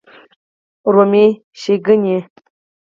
رومي ښېګڼې